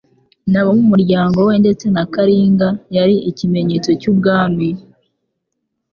n'abo mu muryango we ,ndetse na Kalinga yari ikimenyetso cy'ubwami.